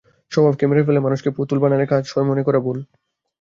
স্বভাবকে মেরে ফেলে মানুষকে পুতুল বানালে কাজ সহজ হয় মনে করা ভুল।